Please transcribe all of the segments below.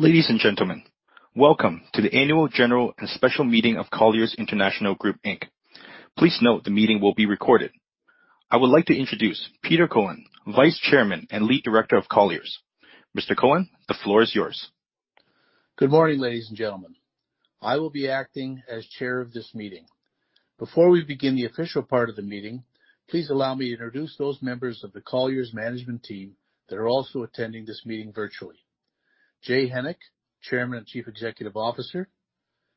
Ladies and gentlemen, welcome to the annual general and special meeting of Colliers International Group Inc. Please note the meeting will be recorded. I would like to introduce Peter Cohen, Vice Chairman and Lead Director of Colliers. Mr. Cohen, the floor is yours. Good morning, ladies and gentlemen. I will be acting as Chair of this meeting. Before we begin the official part of the meeting, please allow me to introduce those members of the Colliers management team that are also attending this meeting virtually. Jay Hennick, Chairman and Chief Executive Officer,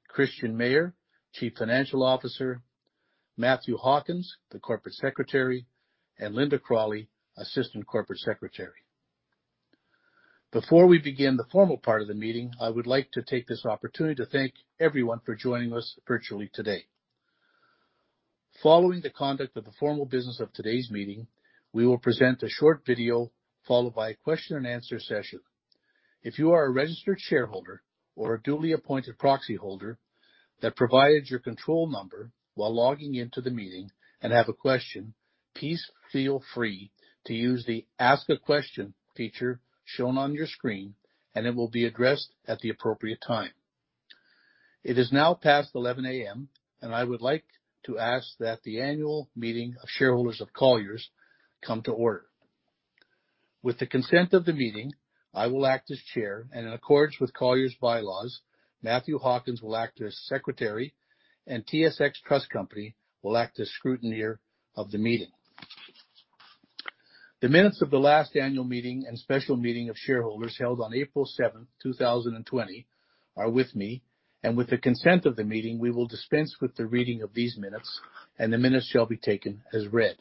Christian Mayer, Chief Financial Officer, Matthew Hawkins, the Corporate Secretary, and Lynda Cralli, Assistant Corporate Secretary. Before we begin the formal part of the meeting, I would like to take this opportunity to thank everyone for joining us virtually today. Following the conduct of the formal business of today's meeting, we will present a short video followed by a question and answer session. If you are a registered shareholder or a duly appointed proxy holder that provided your control number while logging into the meeting and have a question, please feel free to use the Ask a Question feature shown on your screen, and it will be addressed at the appropriate time. It is now past 11:00 A.M., I would like to ask that the annual meeting of shareholders of Colliers come to order. With the consent of the meeting, I will act as chair, and in accordance with Colliers' bylaws, Matthew Hawkins will act as Secretary, and TSX Trust Company will act as scrutineer of the meeting. The minutes of the last annual meeting and special meeting of shareholders held on April 7th, 2020 are with me. With the consent of the meeting, we will dispense with the reading of these minutes, and the minutes shall be taken as read.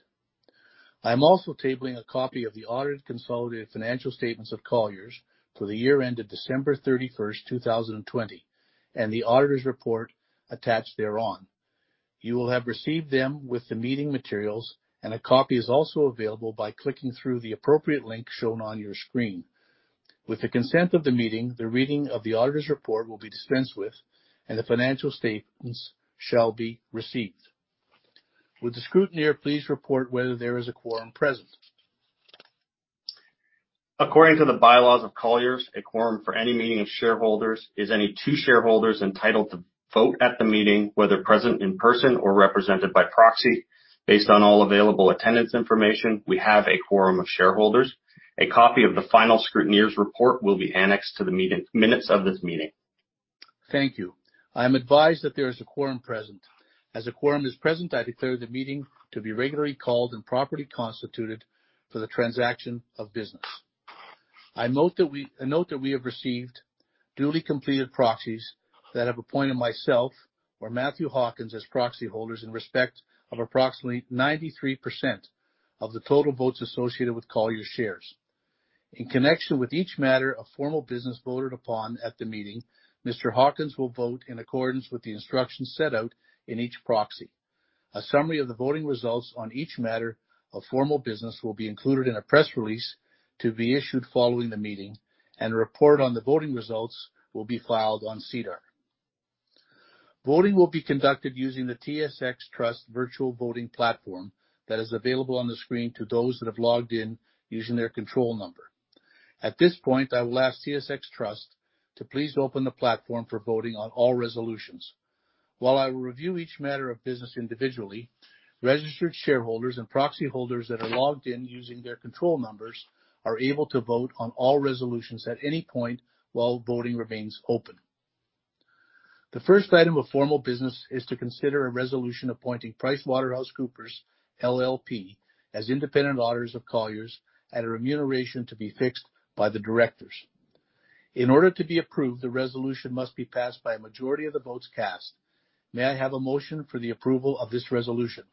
I am also tabling a copy of the audited consolidated financial statements of Colliers for the year end of December 31st, 2020, and the auditor's report attached thereon. You will have received them with the meeting materials, and a copy is also available by clicking through the appropriate link shown on your screen. With the consent of the meeting, the reading of the auditor's report will be dispensed with, and the financial statements shall be received. Would the scrutineer please report whether there is a quorum present? According to the bylaws of Colliers, a quorum for any meeting of shareholders is any two shareholders entitled to vote at the meeting, whether present in person or represented by proxy. Based on all available attendance information, we have a quorum of shareholders. A copy of the final scrutineer's report will be annexed to the minutes of this meeting. Thank you. I am advised that there is a quorum present. As a quorum is present, I declare the meeting to be regularly called and properly constituted for the transaction of business. I note that we have received duly completed proxies that have appointed myself or Matthew Hawkins as proxy holders in respect of approximately 93% of the total votes associated with Colliers shares. In connection with each matter of formal business voted upon at the meeting, Mr. Hawkins will vote in accordance with the instructions set out in each proxy. A summary of the voting results on each matter of formal business will be included in a press release to be issued following the meeting, and a report on the voting results will be filed on SEDAR. Voting will be conducted using the TSX Trust virtual voting platform that is available on the screen to those that have logged in using their control number. At this point, I will ask TSX Trust to please open the platform for voting on all resolutions. While I will review each matter of business individually, registered shareholders and proxy holders that are logged in using their control numbers are able to vote on all resolutions at any point while voting remains open. The first item of formal business is to consider a resolution appointing PricewaterhouseCoopers LLP as independent auditors of Colliers at a remuneration to be fixed by the directors. In order to be approved, the resolution must be passed by a majority of the votes cast. May I have a motion for the approval of this resolution?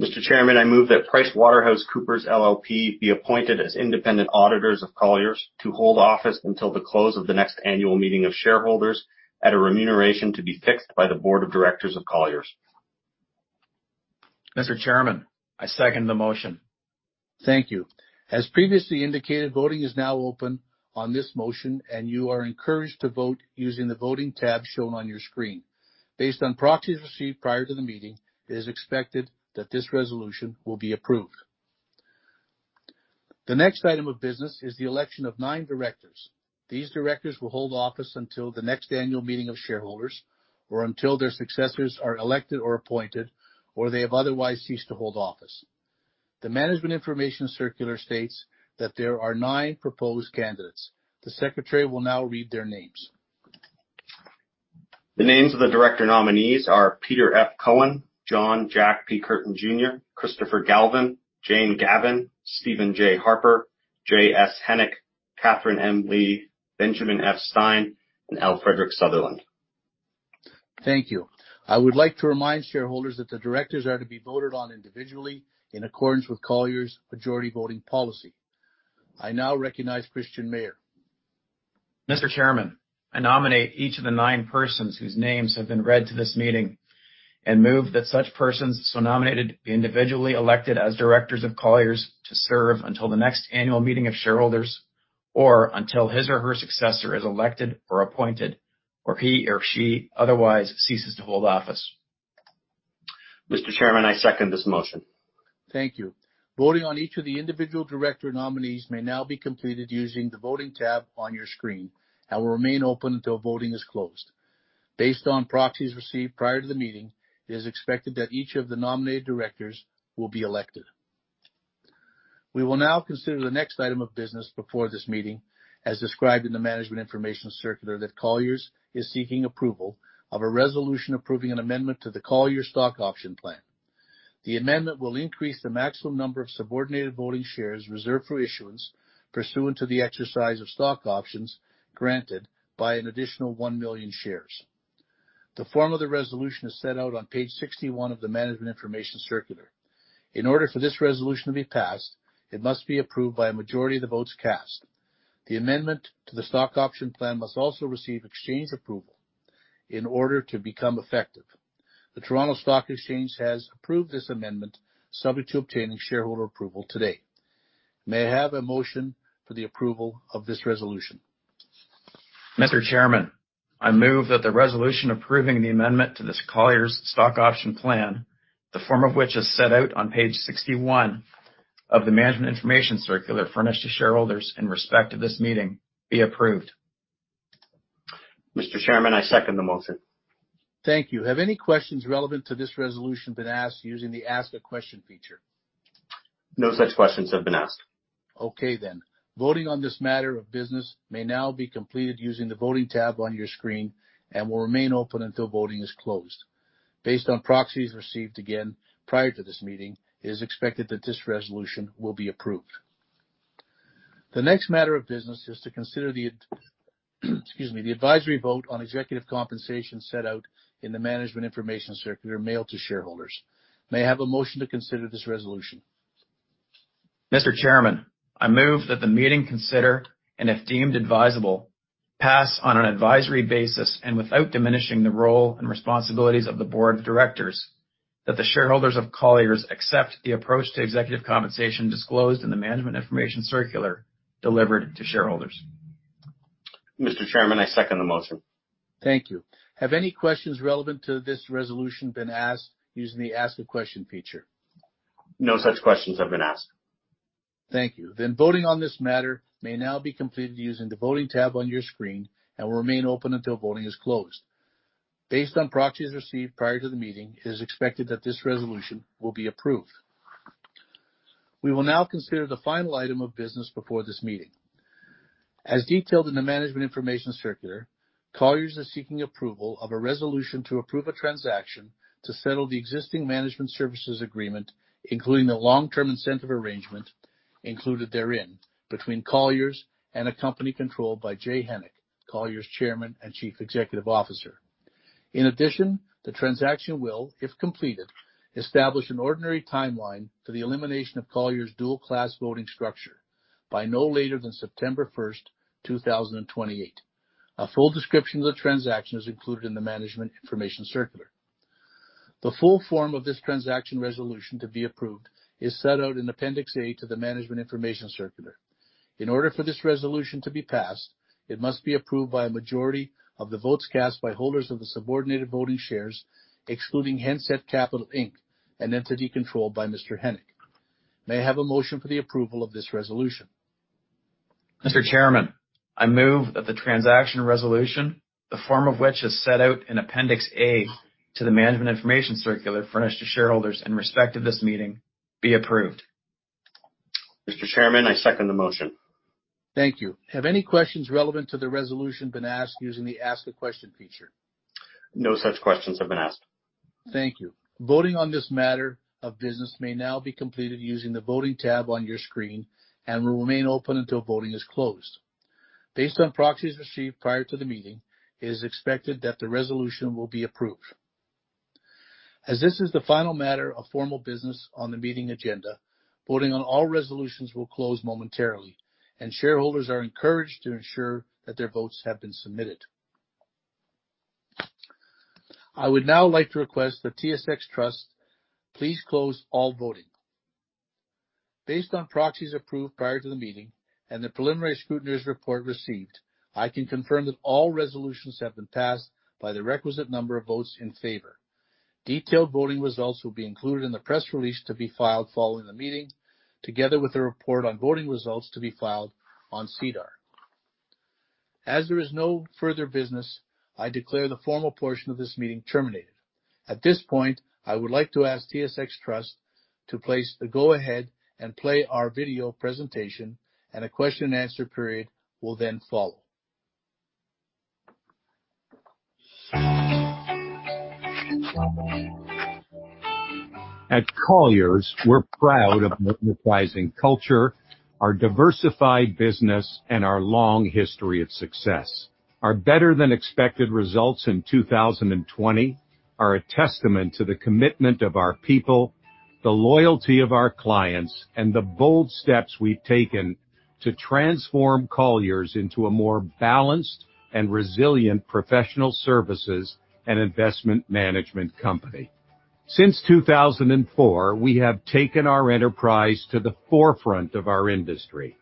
Mr. Chairman, I move that PricewaterhouseCoopers LLP be appointed as independent auditors of Colliers to hold office until the close of the next annual meeting of shareholders at a remuneration to be fixed by the board of directors of Colliers. Mr. Chairman, I second the motion. Thank you. As previously indicated, voting is now open on this motion, and you are encouraged to vote using the voting tab shown on your screen. Based on proxies received prior to the meeting, it is expected that this resolution will be approved. The next item of business is the election of nine directors. These directors will hold office until the next annual meeting of shareholders or until their successors are elected or appointed, or they have otherwise ceased to hold office. The management information circular states that there are nine proposed candidates. The Secretary will now read their names. The names of the director nominees are Peter F. Cohen, John Jack P. Curtin Jr., Christopher Galvin, Jane Gavan, Stephen J. Harper, Jay S. Hennick, Katherine M. Lee, Benjamin F. Stein, and L. Frederick Sutherland. Thank you. I would like to remind shareholders that the directors are to be voted on individually in accordance with Colliers' majority voting policy. I now recognize Christian Mayer. Mr. Chairman, I nominate each of the nine persons whose names have been read to this meeting and move that such persons so nominated be individually elected as directors of Colliers to serve until the next annual meeting of shareholders, or until his or her successor is elected or appointed, or he or she otherwise ceases to hold office. Mr. Chairman, I second this motion. Thank you. Voting on each of the individual director nominees may now be completed using the Voting tab on your screen and will remain open until voting is closed. Based on proxies received prior to the meeting, it is expected that each of the nominated directors will be elected. We will now consider the next item of business before this meeting, as described in the management information circular, that Colliers is seeking approval of a resolution approving an amendment to the Colliers stock option plan. The amendment will increase the maximum number of subordinated voting shares reserved for issuance pursuant to the exercise of stock options granted by an additional 1 million shares. The form of the resolution is set out on page 61 of the management information circular. In order for this resolution to be passed, it must be approved by a majority of the votes cast. The amendment to the stock option plan must also receive exchange approval in order to become effective. The Toronto Stock Exchange has approved this amendment, subject to obtaining shareholder approval today. May I have a motion for the approval of this resolution? Mr. Chairman, I move that the resolution approving the amendment to this Colliers stock option plan, the form of which is set out on page 61 of the management information circular furnished to shareholders in respect to this meeting, be approved. Mr. Chairman, I second the motion. Thank you. Have any questions relevant to this resolution been asked using the Ask a Question feature? No such questions have been asked. Okay. Voting on this matter of business may now be completed using the Voting tab on your screen and will remain open until voting is closed. Based on proxies received again prior to this meeting, it is expected that this resolution will be approved. The next matter of business is to consider the advisory vote on executive compensation set out in the management information circular mailed to shareholders. May I have a motion to consider this resolution? Mr. Chairman, I move that the meeting consider, and if deemed advisable, pass on an advisory basis and without diminishing the role and responsibilities of the board of directors, that the shareholders of Colliers accept the approach to executive compensation disclosed in the management information circular delivered to shareholders. Mr. Chairman, I second the motion. Thank you. Have any questions relevant to this resolution been asked using the ask a question feature? No such questions have been asked. Thank you. Voting on this matter may now be completed using the Voting tab on your screen and will remain open until voting is closed. Based on proxies received prior to the meeting, it is expected that this resolution will be approved. We will now consider the final item of business before this meeting. As detailed in the management information circular, Colliers is seeking approval of a resolution to approve a transaction to settle the existing management services agreement, including the long-term incentive arrangement included therein, between Colliers and a company controlled by Jay Hennick, Colliers Chairman and Chief Executive Officer. In addition, the transaction will, if completed, establish an ordinary timeline for the elimination of Colliers' dual-class voting structure by no later than September 1st, 2028. A full description of the transaction is included in the management information circular. The full form of this transaction resolution to be approved is set out in Appendix A to the management information circular. In order for this resolution to be passed, it must be approved by a majority of the votes cast by holders of the subordinated voting shares, excluding Henset Capital, Inc., an entity controlled by Mr. Hennick. May I have a motion for the approval of this resolution? Mr. Chairman, I move that the transaction resolution, the form of which is set out in Appendix A to the management information circular furnished to shareholders in respect of this meeting, be approved. Mr. Chairman, I second the motion. Thank you. Have any questions relevant to the resolution been asked using the Ask a Question feature? No such questions have been asked. Thank you. Voting on this matter of business may now be completed using the Voting tab on your screen and will remain open until voting is closed. Based on proxies received prior to the meeting, it is expected that the resolution will be approved. As this is the final matter of formal business on the meeting agenda, voting on all resolutions will close momentarily, and shareholders are encouraged to ensure that their votes have been submitted. I would now like to request that TSX Trust please close all voting. Based on proxies approved prior to the meeting and the preliminary scrutineer's report received, I can confirm that all resolutions have been passed by the requisite number of votes in favor. Detailed voting results will be included in the press release to be filed following the meeting, together with a report on voting results to be filed on SEDAR. As there is no further business, I declare the formal portion of this meeting terminated. At this point, I would like to ask TSX Trust to place the go-ahead and play our video presentation. A question and answer period will then follow. At Colliers, we're proud of modernizing culture, our diversified business, and our long history of success. Our better-than-expected results in 2020 are a testament to the commitment of our people, the loyalty of our clients, and the bold steps we've taken to transform Colliers into a more balanced and resilient professional services and investment management company. Since 2004, we have taken our enterprise to the forefront of our industry.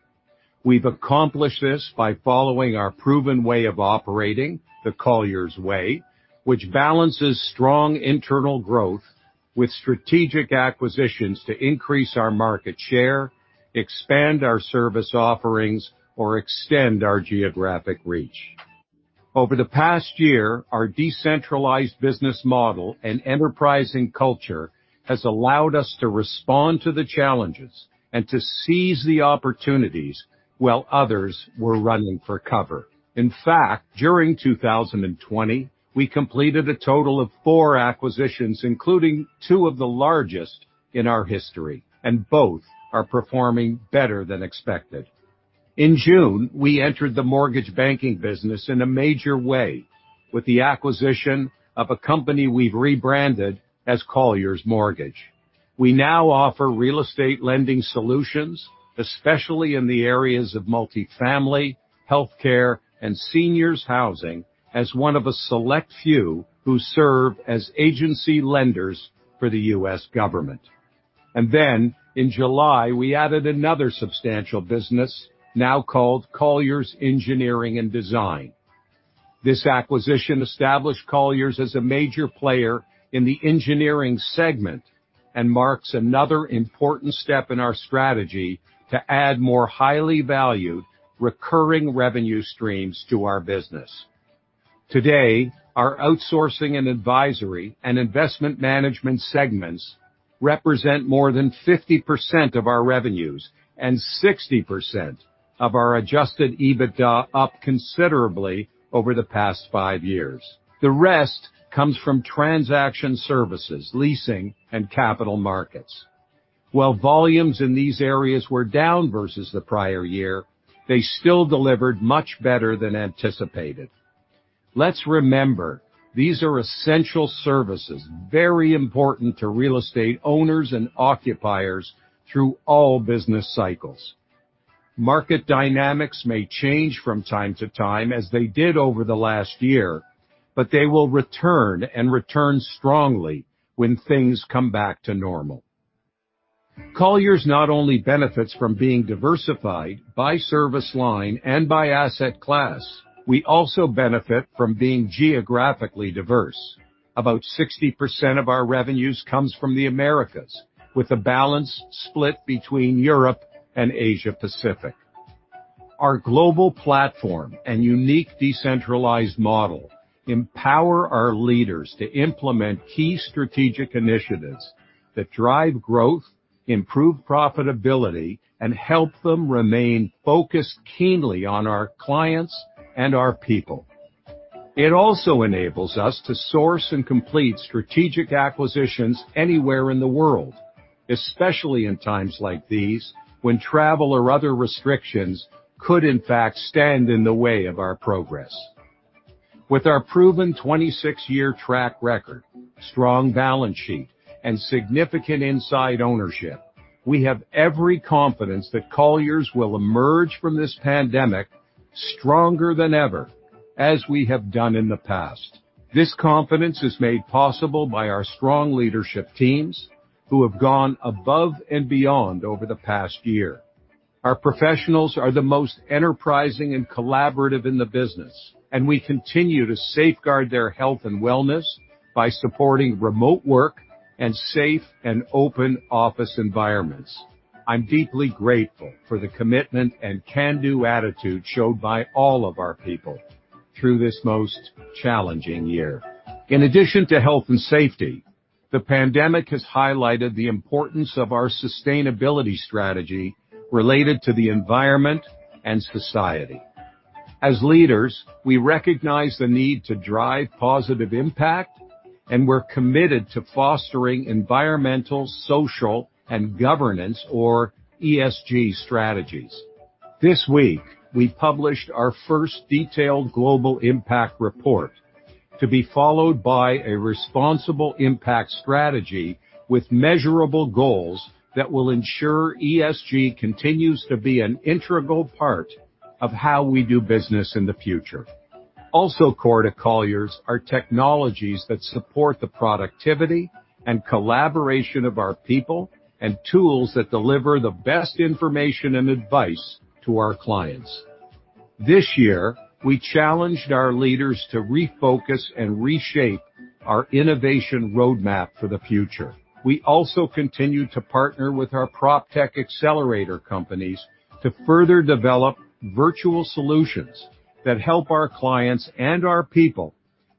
We've accomplished this by following our proven way of operating, the Colliers Way, which balances strong internal growth with strategic acquisitions to increase our market share, expand our service offerings, or extend our geographic reach. Over the past year, our decentralized business model and enterprising culture has allowed us to respond to the challenges and to seize the opportunities while others were running for cover. In fact, during 2020, we completed a total of four acquisitions, including two of the largest in our history, and both are performing better than expected. In June, we entered the mortgage banking business in a major way with the acquisition of a company we've rebranded as Colliers Mortgage. We now offer real estate lending solutions, especially in the areas of multi-family, healthcare, and seniors housing as one of a select few who serve as agency lenders for the U.S. government. In July, we added another substantial business now called Colliers Engineering & Design. This acquisition established Colliers as a major player in the engineering segment and marks another important step in our strategy to add more highly valued recurring revenue streams to our business. Today, our outsourcing and advisory and investment management segments represent more than 50% of our revenues and 60% of our adjusted EBITDA up considerably over the past five years. The rest comes from transaction services, leasing, and capital markets. While volumes in these areas were down versus the prior year, they still delivered much better than anticipated. Let's remember, these are essential services, very important to real estate owners and occupiers through all business cycles. Market dynamics may change from time to time as they did over the last year, but they will return and return strongly when things come back to normal. Colliers not only benefits from being diversified by service line and by asset class, we also benefit from being geographically diverse. About 60% of our revenues comes from the Americas with a balance split between Europe and Asia Pacific. Our global platform and unique decentralized model empower our leaders to implement key strategic initiatives that drive growth, improve profitability, and help them remain focused keenly on our clients and our people. It also enables us to source and complete strategic acquisitions anywhere in the world, especially in times like these when travel or other restrictions could in fact stand in the way of our progress. With our proven 26-year track record, strong balance sheet, and significant inside ownership, we have every confidence that Colliers will emerge from this pandemic stronger than ever, as we have done in the past. This confidence is made possible by our strong leadership teams who have gone above and beyond over the past year. Our professionals are the most enterprising and collaborative in the business, and we continue to safeguard their health and wellness by supporting remote work and safe and open office environments. I'm deeply grateful for the commitment and can-do attitude showed by all of our people through this most challenging year. In addition to health and safety, the pandemic has highlighted the importance of our sustainability strategy related to the environment and society. As leaders, we recognize the need to drive positive impact, and we're committed to fostering environmental, social, and governance or ESG strategies. This week, we published our first detailed global impact report to be followed by a responsible impact strategy with measurable goals that will ensure ESG continues to be an integral part of how we do business in the future. Also core to Colliers are technologies that support the productivity and collaboration of our people and tools that deliver the best information and advice to our clients. This year, we challenged our leaders to refocus and reshape our innovation roadmap for the future. We also continue to partner with our PropTech accelerator companies to further develop virtual solutions that help our clients and our people,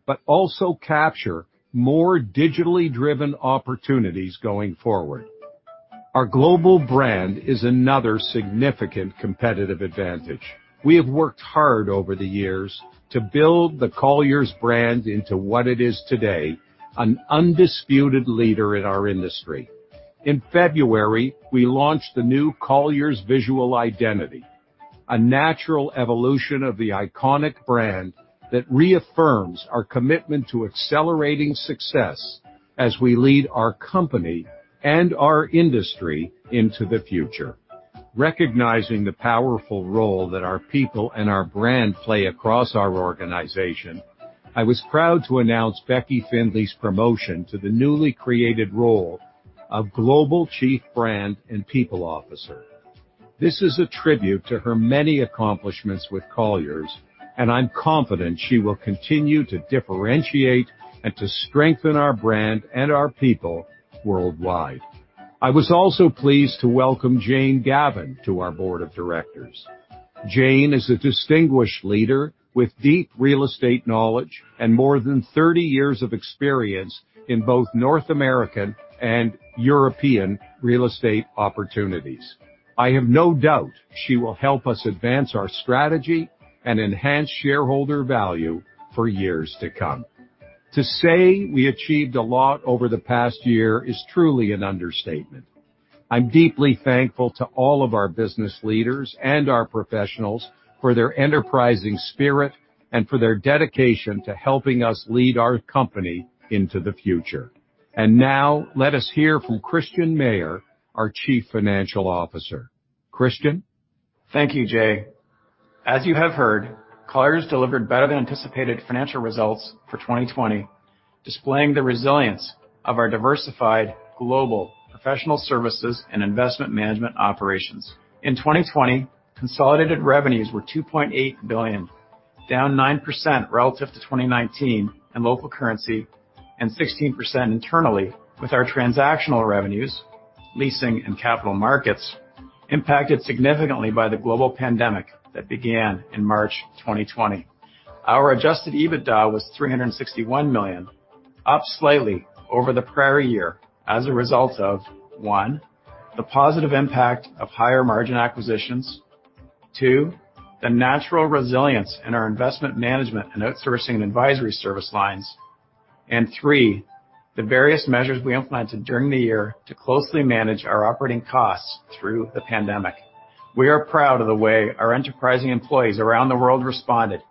but also capture more digitally driven opportunities going forward. Our global brand is another significant competitive advantage. We have worked hard over the years to build the Colliers brand into what it is today, an undisputed leader in our industry. In February, we launched the new Colliers visual identity, a natural evolution of the iconic brand that reaffirms our commitment to accelerating success as we lead our company and our industry into the future. Recognizing the powerful role that our people and our brand play across our organization, I was proud to announce Becky Finley's promotion to the newly created role of Global Chief Brand and People Officer. This is a tribute to her many accomplishments with Colliers, I'm confident she will continue to differentiate and to strengthen our brand and our people worldwide. I was also pleased to welcome Jane Gavan to our Board of Directors. Jane is a distinguished leader with deep real estate knowledge and more than 30 years of experience in both North American and European real estate opportunities. I have no doubt she will help us advance our strategy and enhance shareholder value for years to come. To say we achieved a lot over the past year is truly an understatement. I'm deeply thankful to all of our business leaders and our professionals for their enterprising spirit and for their dedication to helping us lead our company into the future. Now let us hear from Christian Mayer, our Chief Financial Officer. Christian? Thank you, Jay. As you have heard, Colliers delivered better-than-anticipated financial results for 2020, displaying the resilience of our diversified global professional services and investment management operations. In 2020, consolidated revenues were $2.8 billion, down 9% relative to 2019 in local currency and 16% internally with our transactional revenues, leasing and capital markets impacted significantly by the global pandemic that began in March 2020. Our adjusted EBITDA was $361 million, up slightly over the prior year as a result of, one, the positive impact of higher margin acquisitions. Two, the natural resilience in our investment management and outsourcing and advisory service lines. Three, the various measures we implemented during the year to closely manage our operating costs through the pandemic. We are proud of the way our enterprising employees around the world responded,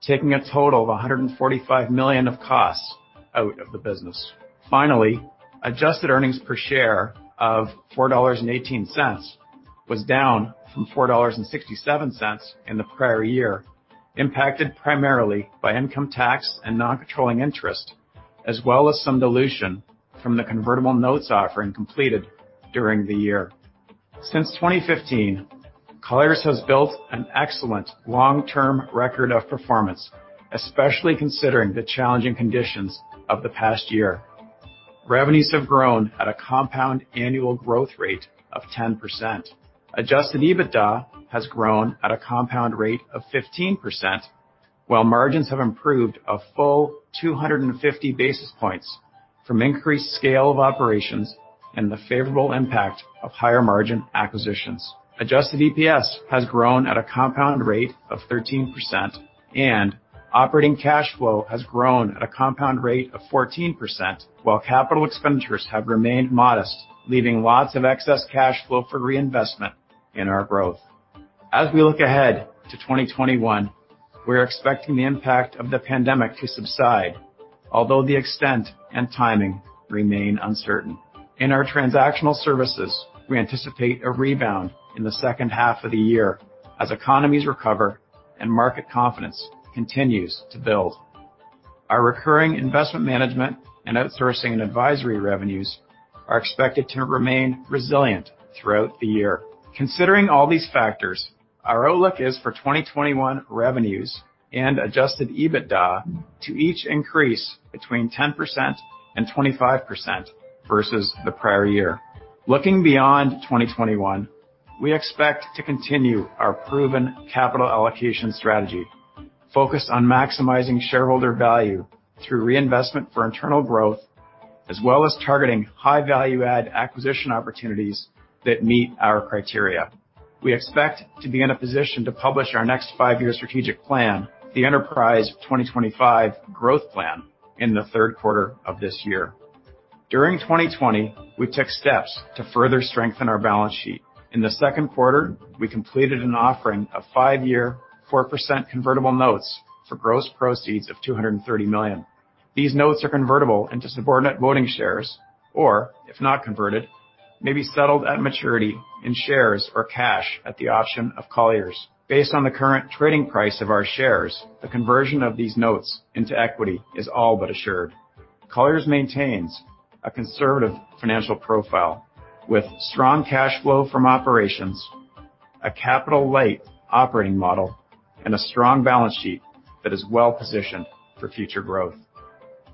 taking a total of $145 million of costs out of the business. Adjusted earnings per share of $4.18 was down from $4.67 in the prior year, impacted primarily by income tax and non-controlling interest, as well as some dilution from the convertible notes offering completed during the year. Since 2015, Colliers has built an excellent long-term record of performance, especially considering the challenging conditions of the past year. Revenues have grown at a compound annual growth rate of 10%. Adjusted EBITDA has grown at a compound rate of 15%, while margins have improved a full 250 basis points from increased scale of operations and the favorable impact of higher margin acquisitions. Adjusted EPS has grown at a compound rate of 13%, and operating cash flow has grown at a compound rate of 14%, while capital expenditures have remained modest, leaving lots of excess cash flow for reinvestment in our growth. As we look ahead to 2021, we're expecting the impact of the pandemic to subside, although the extent and timing remain uncertain. In our transactional services, we anticipate a rebound in the second half of the year as economies recover and market confidence continues to build. Our recurring investment management and outsourcing and advisory revenues are expected to remain resilient throughout the year. Considering all these factors, our outlook is for 2021 revenues and adjusted EBITDA to each increase between 10% and 25% versus the prior year. Looking beyond 2021, we expect to continue our proven capital allocation strategy focused on maximizing shareholder value through reinvestment for internal growth, as well as targeting high value add acquisition opportunities that meet our criteria. We expect to be in a position to publish our next five-year strategic plan, the Enterprise '25 growth strategy, in the third quarter of this year. During 2020, we took steps to further strengthen our balance sheet. In the second quarter, we completed an offering of five-year 4% convertible notes for gross proceeds of $230 million. These notes are convertible into subordinated voting shares, or if not converted, may be settled at maturity in shares or cash at the option of Colliers. Based on the current trading price of our shares, the conversion of these notes into equity is all but assured. Colliers maintains a conservative financial profile with strong cash flow from operations, a capital-light operating model, and a strong balance sheet that is well-positioned for future growth.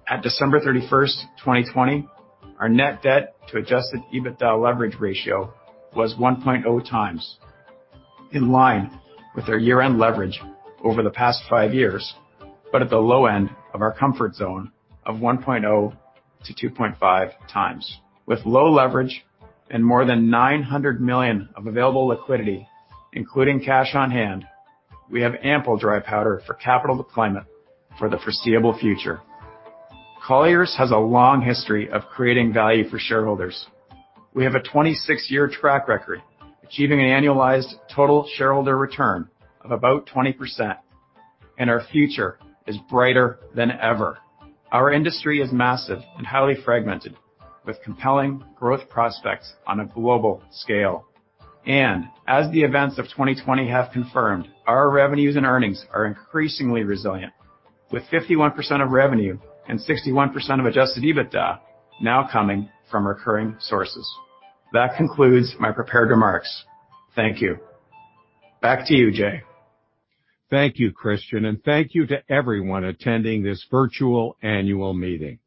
At December 31st, 2020, our net debt to adjusted EBITDA leverage ratio was 1.0x, in line with our year-end leverage over the past five years, but at the low end of our comfort zone of 1.0x-2.5x. With low leverage and more than $900 million of available liquidity, including cash on hand, we have ample dry powder for capital deployment for the foreseeable future. Colliers has a long history of creating value for shareholders. We have a 26-year track record, achieving an annualized total shareholder return of about 20%, and our future is brighter than ever. Our industry is massive and highly fragmented, with compelling growth prospects on a global scale. As the events of 2020 have confirmed, our revenues and earnings are increasingly resilient, with 51% of revenue and 61% of adjusted EBITDA now coming from recurring sources. That concludes my prepared remarks. Thank you. Back to you, Jay. Thank you, Christian. Thank you to everyone attending this virtual annual meeting.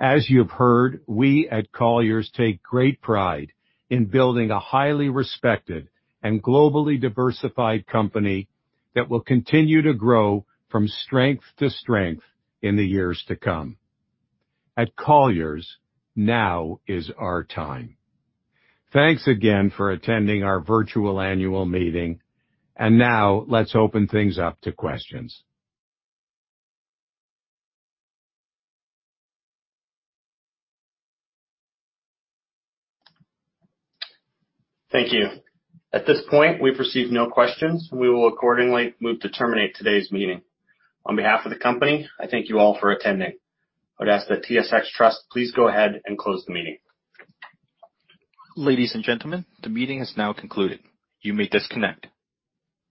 As you have heard, we at Colliers take great pride in building a highly respected and globally diversified company that will continue to grow from strength to strength in the years to come. At Colliers, now is our time. Thanks again for attending our virtual annual meeting. Now let's open things up to questions. Thank you. At this point, we've received no questions, and we will accordingly move to terminate today's meeting. On behalf of the company, I thank you all for attending. I would ask that TSX Trust please go ahead and close the meeting. Ladies and gentlemen, the meeting is now concluded. You may disconnect.